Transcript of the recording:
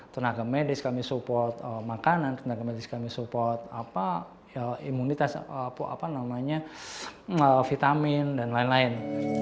tenaga medis kami support makanan tenaga medis kami support imunitas vitamin dan lain lain